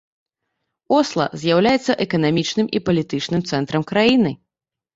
Осла з'яўляецца эканамічным і палітычным цэнтрам краіны.